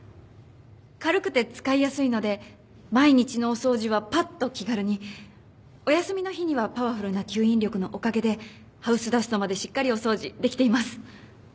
軽くて使いやすいので毎日のお掃除はぱっと気軽にお休みの日にはパワフルな吸引力のおかげでハウスダストまでしっかりお掃除できています。